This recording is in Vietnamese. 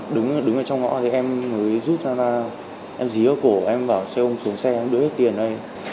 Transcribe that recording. đứng ở trong ngõ thì em mới rút ra ra em dí ở cổ em bảo xe hồn xuống xe em đưa hết tiền đây